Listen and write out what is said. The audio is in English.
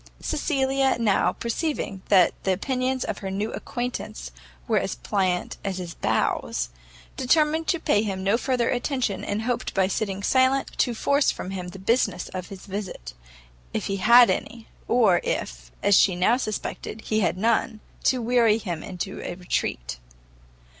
Cecilia now perceiving that the opinions of her new acquaintance were as pliant as his bows, determined to pay him no further attention, and hoped by sitting silent to force from him the business of his visit, if any he had, or if, as she now suspected, he had none, to weary him into a retreat.